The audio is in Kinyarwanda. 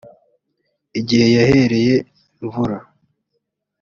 igihe yahereye imvura